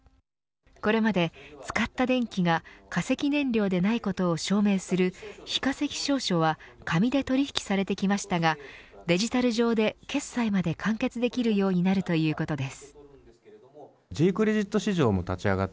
これまで、使った電気が化石燃料でないことを証明する非化石証書は紙で取引されてきましたがデジタル上で決済まで完結できるようになるということです。